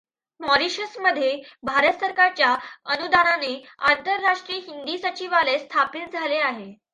मॉरिशसमध्ये भारत सरकारच्या अनुदानाने आंतरराष्ट्रीय हिंदी सचिवालय स्थापित झाले आहे.